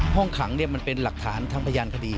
ห้องขังมันเป็นหลักฐานทั้งพยานคดี